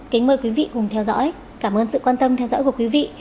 kính mời quý vị cùng theo dõi cảm ơn sự quan tâm theo dõi của quý vị